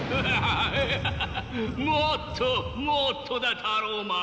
もっともっとだタローマン！